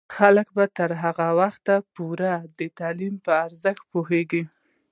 خلک به تر هغه وخته پورې د تعلیم په ارزښت پوهیږي.